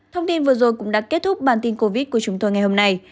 thông tin vừa rồi cũng đã kết thúc bản tin covid của chúng tôi ngày hôm nay